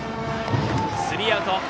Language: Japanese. スリーアウト。